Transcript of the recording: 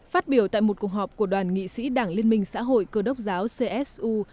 phát biểu tại một cuộc họp của đoàn nghị sĩ đảng liên minh xã hội cơ đốc giáo csu